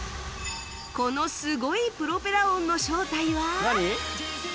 このすごいプロペラ音の正体は